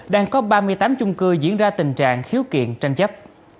đang có ba mươi tám chung cư diễn ra tình trạng khiếu kiện tranh chấp